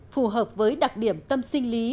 phù hợp với đặc điểm tâm sinh lý